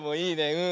うん。